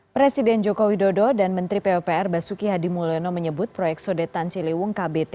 presiden joko widodo dan menteri pupr basuki hadi mulyono menyebut proyek sodetan ciliwung kbt